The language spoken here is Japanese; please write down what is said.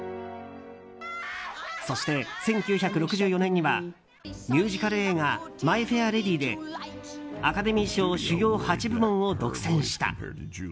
そして、１９６４年にはミュージカル映画「マイ・フェア・レディ」でアカデミー賞主要８部門を独占した。